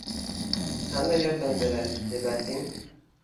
Qanday yordam beray?” deb ayting.